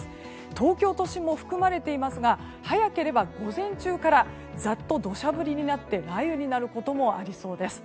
東京都心も含まれていますが早ければ、午前中からざっと土砂降りになって雷雨になることもありそうです。